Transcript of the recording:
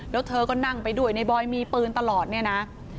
แล้วเธอก็นั่งไปด้วยในบอยมีปืนตลอดเนี่ยนะ